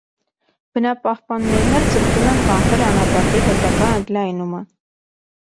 Բնապահպաններն էլ ձգտում են կանխել անապատի հետագա ընդլայնումը։